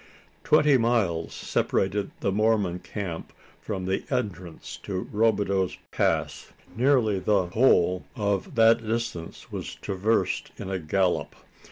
Twenty miles separated the Mormon camp from the entrance to Robideau's Pass. Nearly the whole of that distance we traversed at a gallop.